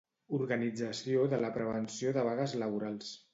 Organització de la prevenció de vagues laborals.